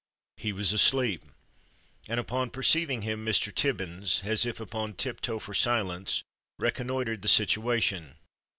He was asleep, and upon perceiving him Mr. Tibbins, as if upon tiptoe for silence, reconnoitred the situation.